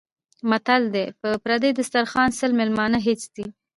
متل دی: په پردي دسترخوان سل مېلمانه هېڅ دي.